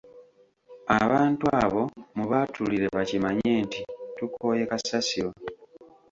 Abantu abo mubaatulire bakimanye nti tukooye kasasiro.